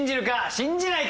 信じないか？